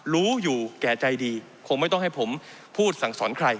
รู้อยู่แก่ใจดีคงไม่ต้องให้ผมพูดสั่งสอนใคร